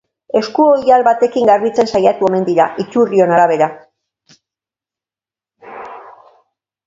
Eskuoihal batekin garbitzen saiatu omen dira, iturrion arabera.